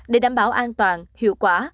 để đảm bảo an toàn hiệu quả